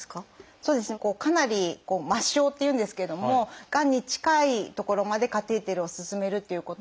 そうですねかなり末梢っていうんですけどもがんに近い所までカテーテルを進めるっていうことと。